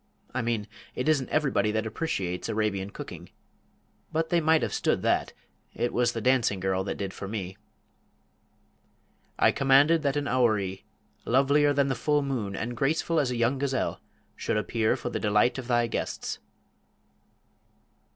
I mean, it isn't everybody that appreciates Arabian cooking. But they might have stood that. It was the dancing girl that did for me." "I commanded that a houri, lovelier than the full moon, and graceful as a young gazelle, should appear for the delight of thy guests."